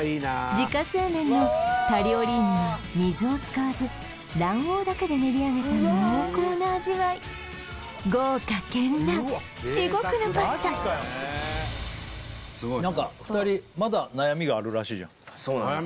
自家製麺のタリオリーニは水を使わず卵黄だけで練り上げた濃厚な味わい豪華けんらん至極のパスタそうなんですよ